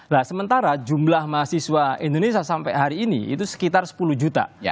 nah sementara jumlah mahasiswa indonesia sampai hari ini itu sekitar sepuluh juta